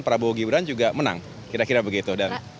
prabowo gibran juga menang kira kira begitu